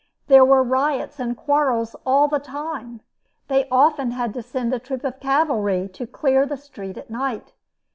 There were riots and quarrels all the time. They often had to send a troop of cavalry to clear the street at night.